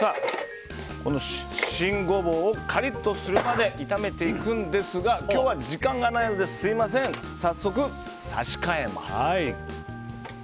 新ゴボウをカリッとするまで炒めていくんですが今日は時間がないのですみません、早速差し替えます。